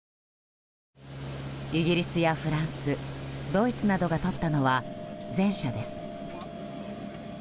イギリスやフランスドイツなどがとったのは前者です。